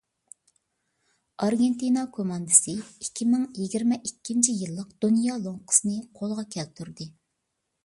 ئارگېنتىنا كوماندىسى ئىككى مىڭ يىگىرمە ئىككىنچى يىللىق دۇنيا لوڭقىسىنى قولغا كەلتۈردى.